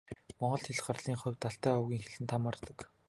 Монгол хэл гарлын хувьд Алтай овгийн хэлэнд хамаардаг.